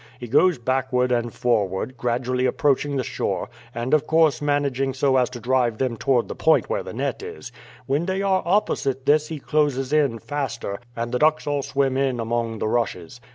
He goes backward and forward, gradually approaching the shore, and of course managing so as to drive them toward the point where the net is. When they are opposite this he closes in faster, and the ducks all swim in among the rushes.